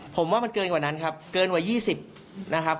ผมว่ามันเกินกว่านั้นครับเกินกว่า๒๐นะครับ